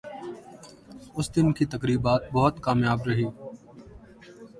اس دن کی تقریبات بہت کامیاب رہیں